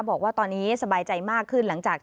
บอกว่าตอนนี้สบายใจมากขึ้น